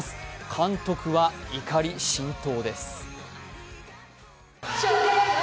監督は怒り心頭です。